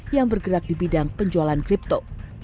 yang bergerak di bidang penjualan kripto